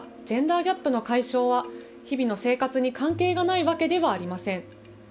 ただジェンダーギャップの解消は日々の生活に関係がないわけではありません。